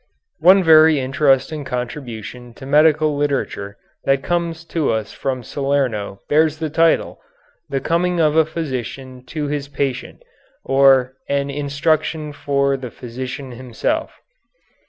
One very interesting contribution to medical literature that comes to us from Salerno bears the title, "The Coming of a Physician to His Patient, or An Instruction for the Physician Himself."